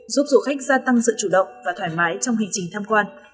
giúp du khách gia tăng sự chủ động và thoải mái trong hành trình tham quan